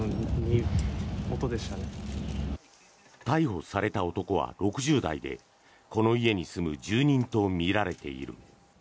逮捕された男は６０代でこの家に住む住人とみられている。